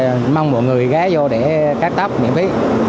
mình mong mọi người gái vô để cắt tóc miễn phí